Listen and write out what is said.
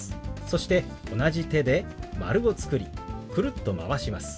そして同じ手で丸を作りくるっとまわします。